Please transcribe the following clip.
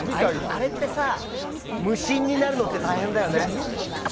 あれってさ、無心になるの大変だよね。